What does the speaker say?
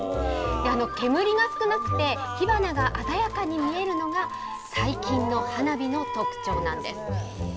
煙が少なくて、火花が鮮やかに見えるのが、最近の花火の特徴なんです。